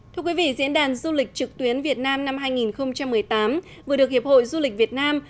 thưa quý vị diễn đàn du lịch trực tuyến việt nam năm hai nghìn một mươi tám vừa được hiệp hội du lịch việt nam